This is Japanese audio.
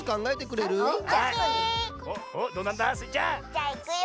じゃあいくよ！